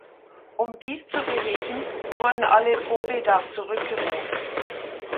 Um dies zu beheben wurden alle Pobeda zurückgerufen.